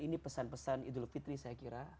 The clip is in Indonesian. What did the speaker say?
ini pesan pesan idul fitri saya kira